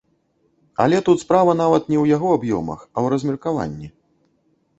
Але тут справа нават не ў яго аб'ёмах, а ў размеркаванні.